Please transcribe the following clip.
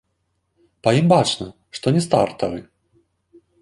Па ім бачна, што не стартавы.